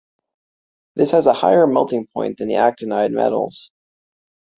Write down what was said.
This has a higher melting point than the actinide metals.